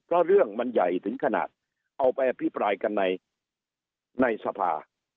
เพราะเรื่องมันใหญ่ถึงขนาดเอาไปอภิปรายกันในสภา